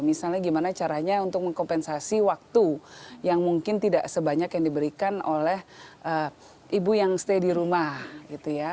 misalnya gimana caranya untuk mengkompensasi waktu yang mungkin tidak sebanyak yang diberikan oleh ibu yang stay di rumah gitu ya